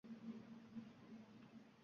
Hech kim nogironlikdan sug‘urtalanmagan